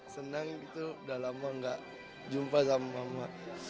senang gitu udah lama gak jumpa sama mama